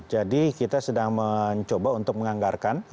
jadi kita sedang mencoba untuk menganggarkan